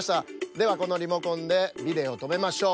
ではこのリモコンでビデオとめましょう。